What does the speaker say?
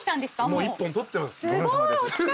もう１本撮ってます。